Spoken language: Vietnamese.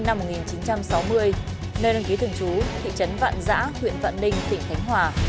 truy nã đối tượng huỳnh ngọc tráng sinh năm một nghìn chín trăm sáu mươi nơi đăng ký thường trú thị trấn vạn giã huyện vạn ninh tỉnh thánh hòa